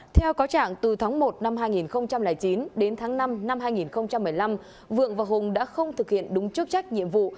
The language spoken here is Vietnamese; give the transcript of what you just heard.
theo cáo trạng từ tháng một năm hai nghìn chín đến tháng năm năm hai nghìn một mươi năm vượng và hùng đã không thực hiện đúng chức trách nhiệm vụ